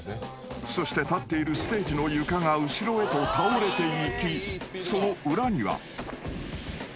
［そして立っているステージの床が後ろへと倒れていきその裏には］